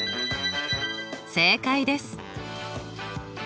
正解です。